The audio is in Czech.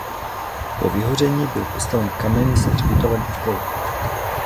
Po vyhoření byl postaven kamenný se hřbitovem okolo.